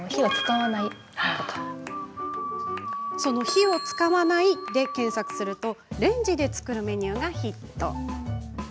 「火を使わない」で検索するとレンジで作るメニューがヒット。